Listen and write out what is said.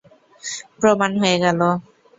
প্রমাণ হয়ে গেলো।